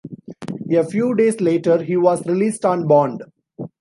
A few days later, he was released on bond.